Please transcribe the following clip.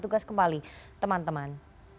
tugas kembali teman teman